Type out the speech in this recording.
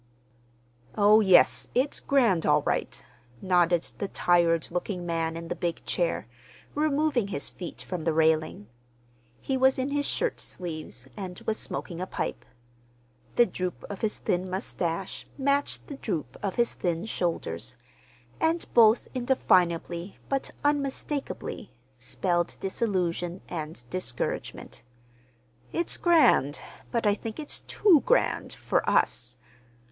"Oh, yes, it's grand, all right," nodded the tired looking man in the big chair, removing his feet from the railing. He was in his shirt sleeves, and was smoking a pipe. The droop of his thin mustache matched the droop of his thin shoulders—and both indefinably but unmistakably spelled disillusion and discouragement. "It's grand, but I think it's too grand—for us.